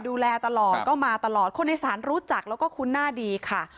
ดูแลตลอดก็มาตลอดคนในศาลรู้จักแล้วก็คุ้นหน้าดีค่ะ